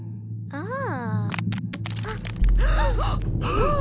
ああ。